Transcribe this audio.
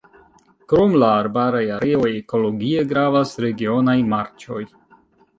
Krom la arbaraj areoj ekologie gravas regionaj marĉoj.